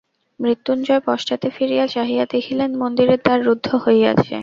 মৃত্যুঞ্জয় পশ্চাতে ফিরিয়া চাহিয়া দেখিলেন মন্দিরের দ্বার রূদ্ধ রহিয়াছে।